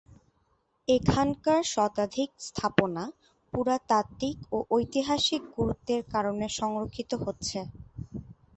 এখানকার শতাধিক স্থাপনা পুরাতাত্ত্বিক ও ঐতিহাসিক গুরুত্বের কারণে সংরক্ষিত হচ্ছে।